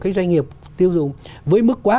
cái doanh nghiệp tiêu dùng với mức quá